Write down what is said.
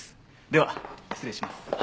では失礼します。